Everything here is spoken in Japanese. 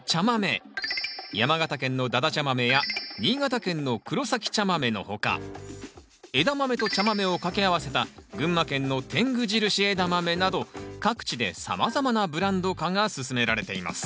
山形県のだだちゃ豆や新潟県の黒埼茶豆の他エダマメと茶豆をかけ合わせた群馬県の天狗印枝豆など各地でさまざまなブランド化が進められています。